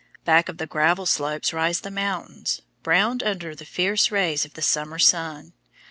Back of the gravel slopes rise the mountains, browned under the fierce rays of the summer sun.